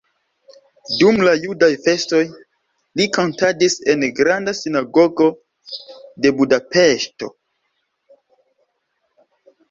Dum la judaj festoj li kantadis en Granda Sinagogo de Budapeŝto.